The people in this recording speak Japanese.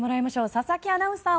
佐々木アナウンサー